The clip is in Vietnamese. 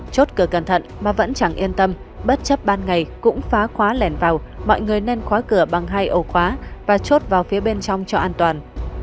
chốt cửa cẩn thận mà vẫn chẳng yên tâm bất chấp ban ngày cũng phá khóa lèn vào mọi người nên khóa cửa bằng hai ổ khóa và chốt vào phía bên trong cho an toàn